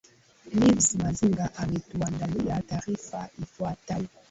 liz masinga ametuandalia taarifa ifuatayo